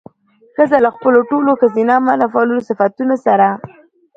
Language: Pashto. ښځه له خپلو ټولو ښځينه او منفعلو صفتونو سره